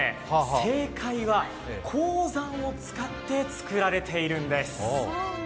正解は、鉱山を使ってつくられているんです。